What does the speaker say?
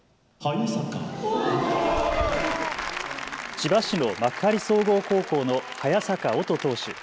千葉市の幕張総合高校の早坂響投手。